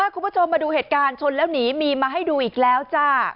คุณผู้ชมมาดูเหตุการณ์ชนแล้วหนีมีมาให้ดูอีกแล้วจ้า